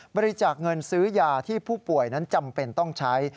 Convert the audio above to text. บริจาคเงินซื้อยาที่ผู้ป่วยนั้นจำเป็นต้องใช้